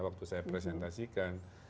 waktu saya presentasikan